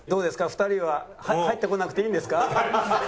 ２人は入ってこなくていいんですか」。